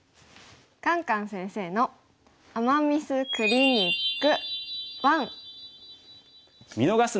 「カンカン先生の“アマ・ミス”クリニック１」。